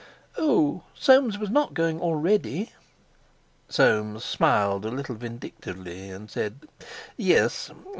Oh, Soames was not going already! Soames smiled a little vindictively, and said: "Yes.